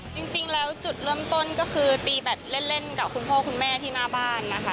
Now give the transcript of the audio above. จริงแล้วจุดเริ่มต้นก็คือตีแบตเล่นกับคุณพ่อคุณแม่ที่หน้าบ้านนะคะ